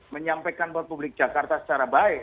menyampaikan buat publik jakarta secara baik